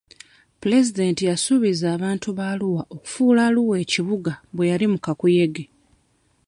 Pulezidenti yasuubiza abantu ba Arua okufuula Arua ekibuga bwe yali mu kakuyege.